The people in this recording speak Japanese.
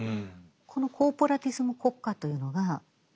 このコーポラティズム国家というのがフリードマン理論